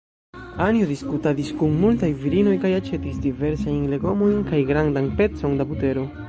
Anjo diskutadis kun multaj virinoj kaj aĉetis diversajn legomojn kaj grandan pecon da butero.